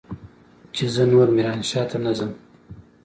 چې زه نور ميرانشاه ته نه ځم.